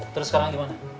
terus sekarang gimana